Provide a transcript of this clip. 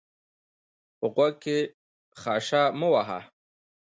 په غوږ کښي خاشه مه وهه!